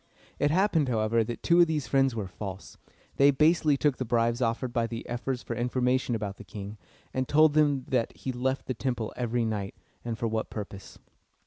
It happened, however, that two of these friends were false. They basely took the bribes offered by the ephors for information about the king, and told them that he left the temple every night, and for what purpose.